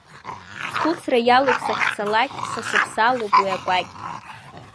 Схәыцра иалоуп сахьцалак, са сыԥсы алоуп уи акәакь.